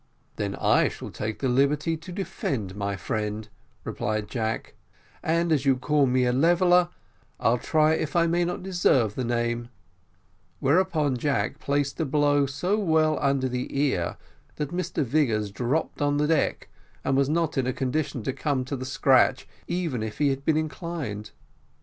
"Then I shall take the liberty to defend my friend," replied Jack; "and as you call me a leveller, I'll try if I may not deserve the name" whereupon Jack placed a blow so well under the ear, that Mr Vigors dropped on the deck, and was not in condition to come to the scratch, even if he had been inclined.